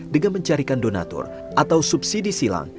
dengan mencarikan donatur atau subsidi silang